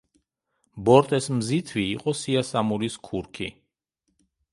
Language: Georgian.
ბორტეს მზითვი იყო სიასამურის ქურქი.